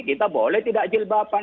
kita boleh tidak jilbabkan